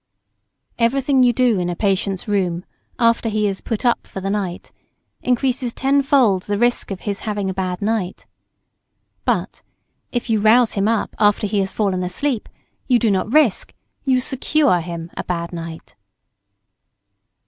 Everything you do in a patient's room, after he is "put up" for the night, increases tenfold the risk of his having a bad night. But, if you rouse him up after he has fallen asleep, you do not risk, you secure him a bad night.